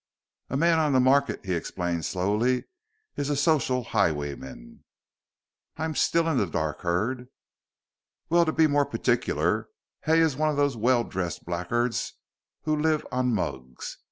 "A man on the market," he explained slowly, "is a social highwayman." "I am still in the dark, Hurd." "Well, to be more particular, Hay is one of those well dressed blackguards who live on mugs.